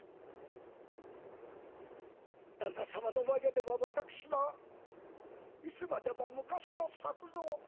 旦那様の前では私はいつまでも昔の作蔵。